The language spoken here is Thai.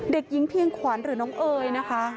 เด็กหญิงเพียงขวัญหรือน้องเอ๋ยนะคะ